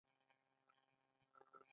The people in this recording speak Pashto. د برېټانیا د پوځ له لوري مات شو.